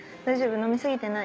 飲み過ぎてない？